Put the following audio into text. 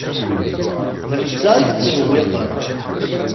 D netta i yettsewwiqen.